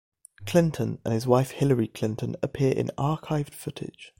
Clinton and his wife Hillary Clinton appear in archived footage.